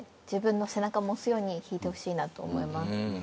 自分の背中も押すように弾いてほしいなと思います。